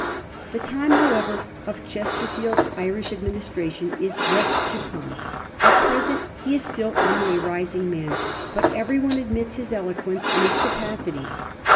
The time, however, of Chesterfield's Irish administra tion is yet to come. At present he is still only a rising man ; but every one admits his eloquence and his capacity.